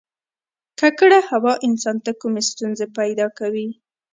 ککړه هوا انسان ته کومې ستونزې پیدا کوي